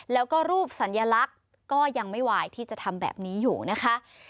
แล้วก็รูปสัญลักษณ์ก็ยังไม่ไหวที่จะทำแบบนี้อยู่นะคะ